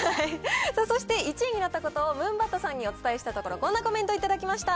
そして１位になったことをムーンバットさんにお伝えしたところ、こんなコメント頂きました。